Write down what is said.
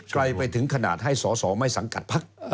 ไกลไปถึงขนาดให้สอสอไม่สังกัดพัก